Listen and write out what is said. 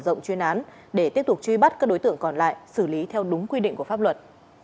rộng chuyên án để tiếp tục truy bắt các đối tượng còn lại xử lý theo đúng quy định của pháp luật